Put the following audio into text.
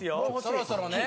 「そろそろね」